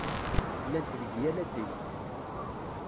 Llant deg yal adeg.